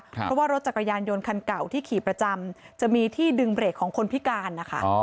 เพราะว่ารถจักรยานยนต์คันเก่าที่ขี่ประจำจะมีที่ดึงเบรกของคนพิการนะคะ